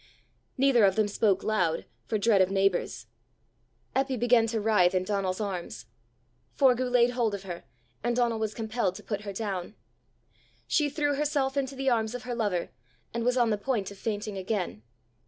Neither of them spoke loud, for dread of neighbours. Eppy began to writhe in Donal's arms. Forgue laid hold of her, and Donal was compelled to put her down. She threw herself into the arms of her lover, and was on the point of fainting again.